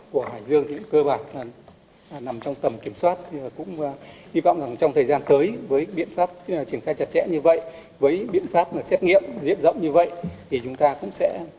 với biện pháp xét nghiệm diện rộng như vậy thì chúng ta cũng sẽ không có ghi nhận những trường hợp nào mắc mới trên thành phố hải dương